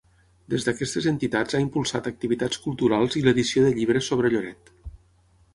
Des d'aquestes entitats ha impulsat activitats culturals i l'edició de llibres sobre Lloret.